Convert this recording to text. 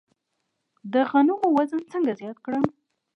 د غنمو وزن څنګه زیات کړم؟